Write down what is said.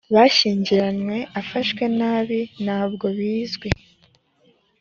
bashyingiranywe afashwe nabi ntabwo bizwi